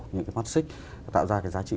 những cái mắt xích tạo ra cái giá trị